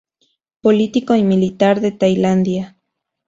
Político y militar de Tailandia.